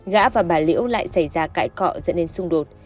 gã và bà liễu lại xảy ra cãi cọ dẫn đến xung đột